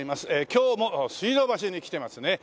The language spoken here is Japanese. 今日も水道橋に来てますね。